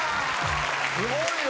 すごいよ！